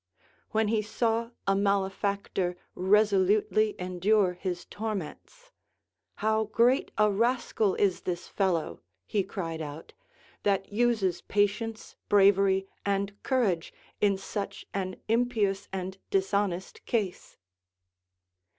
When he saw a malefactor resolutely endure his torments. How great a rascal is this fellow, he cried out, that uses patience, bravery, and courage, in such an impious and dishonest case